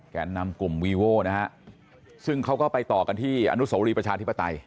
แก่นำกลุ่มวีโว่นะฮะซึ่งเขาก็ไปต่อกันที่อนุโสรีประชาธิปไตย